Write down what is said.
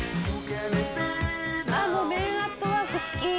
メン・アット・ワーク好き！